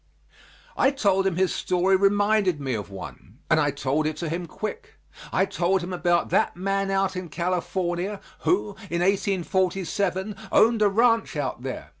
I told him his story reminded me of one, and I told it to him quick. I told him about that man out in California, who, in 1847, owned a ranch out there.